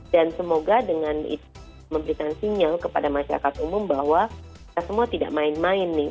dan semoga dengan memberikan sinyal kepada masyarakat umum bahwa kita semua tidak main main nih